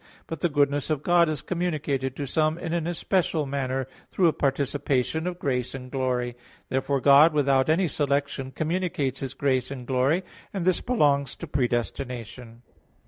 But the goodness of God is communicated to some in an especial manner through a participation of grace and glory. Therefore God without any selection communicates His grace and glory; and this belongs to predestination.